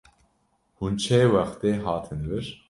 Hûn çê wextê hatin vir?